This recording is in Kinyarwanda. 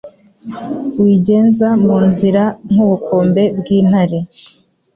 Wigenza mu nziraNk' ubukombe bw' intare